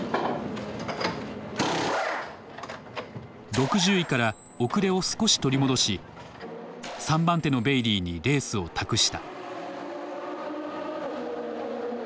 ６０位から遅れを少し取り戻し３番手のベイリーにレースを託した。